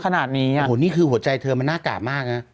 โห้นี้คือหัวใจเธอมันน่ากล่ามัก